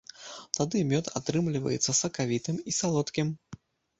Тады мёд атрымліваецца сакавітым і салодкім.